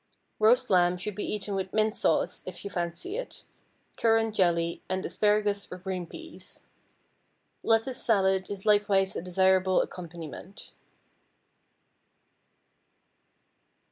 Roast lamb should be eaten with mint sauce (if you fancy it), currant jelly, and asparagus or green peas. Lettuce salad is likewise a desirable accompaniment.